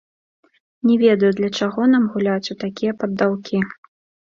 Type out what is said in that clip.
Не ведаю, для чаго нам гуляць у такія паддаўкі.